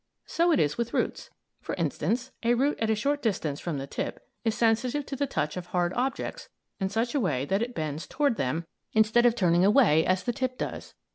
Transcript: So it is with roots. For instance, a root at a short distance from the tip, is sensitive to the touch of hard objects in such a way that it bends toward them instead of turning away, as the tip does.